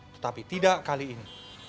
tetapi tidak kali ini